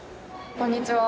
こんにちは！